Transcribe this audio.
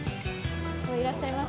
いらっしゃいませ。